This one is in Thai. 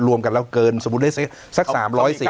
รวมกันแล้วเกินสมมุติได้สัก๓๐๐เสียงเนี่ย